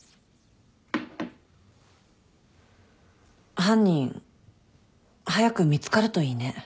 犯人早く見つかるといいね。